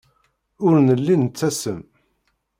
Ur nelli nettasem.